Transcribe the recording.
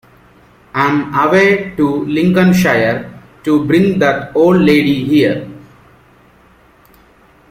I'm away to Lincolnshire to bring that old lady here.